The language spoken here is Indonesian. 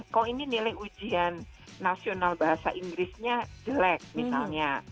kok ini nilai ujian nasional bahasa inggrisnya jelek misalnya